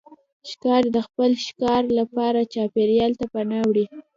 ښکاري د خپل ښکار لپاره چاپېریال ته پناه وړي.